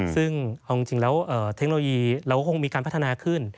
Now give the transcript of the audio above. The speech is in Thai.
ซึ่งเอาจริงแล้วเทคโนโลยีเราก็คงมีการพัฒนาขึ้น